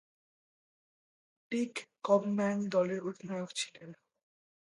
ডিক Kaufman দলের অধিনায়ক ছিলেন।